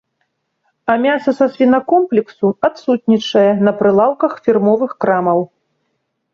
А мяса са свінакомплексу адсутнічае на прылаўках фірмовых крамаў.